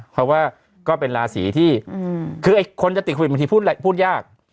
เพราะว่าก็เป็นราศีที่คือคนจะติดโควิดบางทีพูดยาก